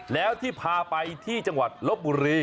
แล้วที่พาไปที่จังหวัดลบบุรี